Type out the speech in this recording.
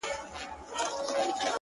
• مُلا پرون مسلې کړلې د روژې د ثواب ,